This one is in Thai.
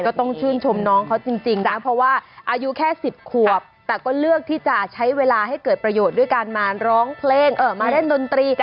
ก็ต้องชื่นชมน้องเขาจริงนะเพราะว่าอายุแค่๑๐ขวบแต่ก็เลือกที่จะใช้เวลาให้เกิดประโยชน์ด้วยการมาร้องเพลงมาเล่นดนตรี